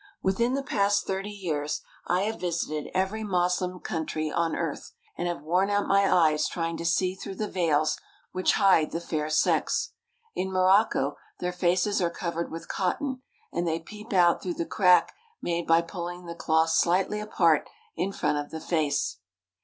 Within the past thirty years I have visited every Moslem country on earth, and have worn out my eyes trying to 223 THE HOLY LAND AND SYRIA see through the veils which hide the fair sex. In Morocco their faces are covered with cotton, and they peep out through the crack made by pulling the cloth slightly apart in front of the face.